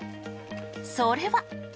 それは。